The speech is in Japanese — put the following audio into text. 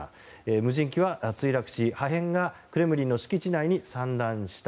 無人機は墜落し破片はクレムリンの敷地内に散乱した。